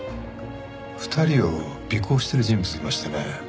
２人を尾行している人物がいましてね。